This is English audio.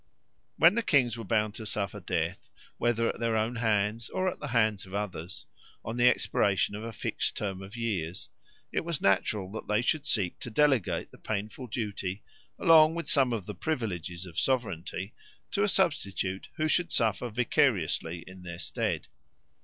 When kings were bound to suffer death, whether at their own hands or at the hands of others, on the expiration of a fixed term of years, it was natural that they should seek to delegate the painful duty, along with some of the privileges of sovereignty, to a substitute who should suffer vicariously in their stead.